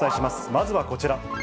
まずはこちら。